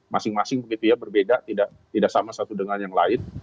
masing masing begitu ya berbeda tidak sama satu dengan yang lain